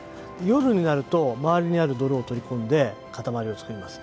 夜になると周りにある泥を取り込んで塊を作ります。